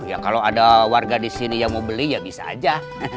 ya kalau ada warga di sini yang mau beli ya bisa aja